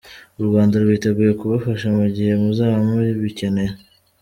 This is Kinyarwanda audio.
U Rwanda rwiteguye kubafasha mu gihe muzaba mubikeneye.